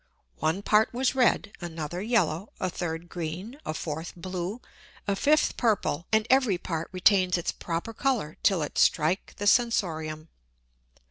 One Part was red, another yellow, a third green, a fourth blue, a fifth purple, and every Part retains its proper Colour till it strike the Sensorium.